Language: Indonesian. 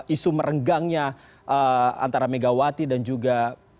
isu merenggangnya antara megawati dan juga